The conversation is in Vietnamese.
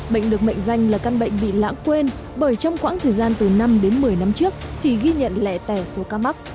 bệnh được mệnh danh là căn bệnh bị lãng quên bởi trong quãng thời gian từ năm đến một mươi năm trước chỉ ghi nhận lẻ tẻ số ca mắc